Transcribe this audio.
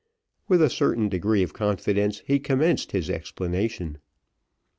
With a certain degree of confidence, he commenced his explanation.